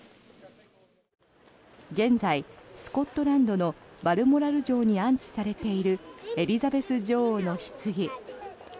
現在、スコットランドのバルモラル城に安置されているエリザベス女王のひつぎ。